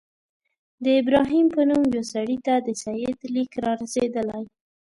د ابراهیم په نوم یوه سړي ته د سید لیک را رسېدلی.